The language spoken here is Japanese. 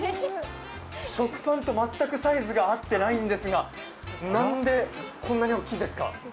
食パンと全くサイズが合っていないんですが、何でこんなに大きいんですか。